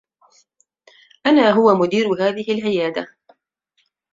أنا هو مدير هذه العيادة.